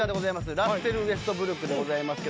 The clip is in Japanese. ラッセル・ウェストブルックでございますけど。